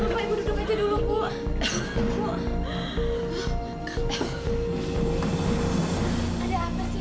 bu mau ke ibu duduk aja dulu bu